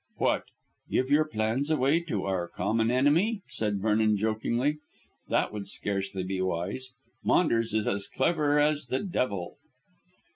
"What? Give our plans away to our common enemy," said Vernon jokingly. "That would scarcely be wise. Maunders is as clever as the devil."